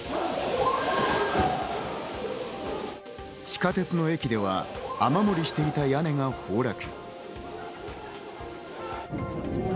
地下鉄の駅では雨漏りしていた屋根が崩落。